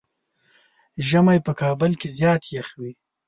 ژمی په کابل کې زيات يخ وي.